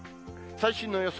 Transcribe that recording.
最新の予想